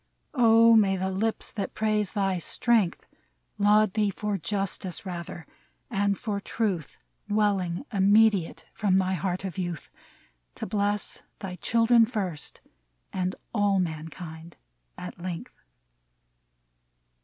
Oh, may the lips that praise thy strength. Laud thee for justice, rather, and for truth, ' 172 MEMORIAL ODE Welling immediate from thy heart of youth, To bless thy children first, and all mankind at length